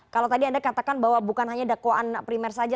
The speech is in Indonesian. kalau tadi anda katakan bahwa bukan hanya dakwaan primer saja